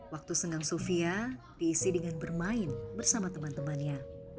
waktu senggang sofia diisi dengan bermain bersama teman temannya